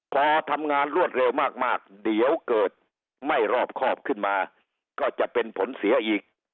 พอทำงานรวดเร็วมากเดี๋ยวเกิดไม่รอบครอบขึ้นมาก็จะเป็นผลเสียอีก